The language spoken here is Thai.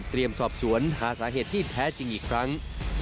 สอบสวนหาสาเหตุที่แท้จริงอีกครั้ง